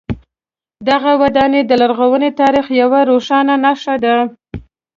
دغه ودانۍ د لرغوني تاریخ یوه روښانه نښه ده.